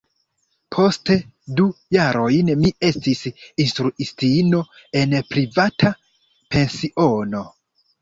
Poste du jarojn mi estis instruistino en privata pensiono.